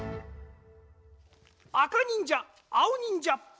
あかにんじゃあおにんじゃ。